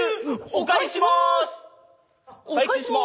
お返ししまーす。